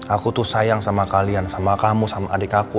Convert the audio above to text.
aku tuh sayang sama kalian sama kamu sama adik aku